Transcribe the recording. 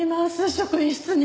職員室に。